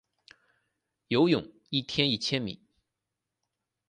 游泳一天一千米